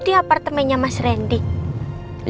di apartemennya mas randy